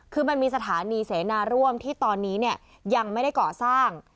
คือมันมีสถานีเสนาร่วมที่ตอนนี้เนี่ยยังไม่ได้ก่อสร้าง